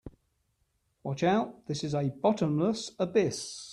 Watch out, this is a bottomless abyss!